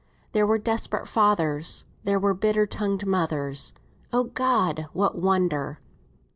There were desperate fathers; there were bitter tongued mothers (O God! what wonder!)